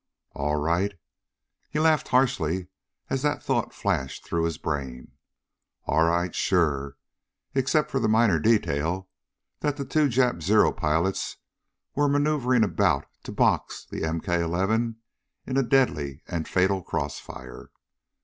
All right? He laughed harshly as that thought flashed through his brain. All right? Sure, except for the minor detail that the two Jap Zero pilots were maneuvering about to "box" the MK 11 in a deadly and fatal cross fire.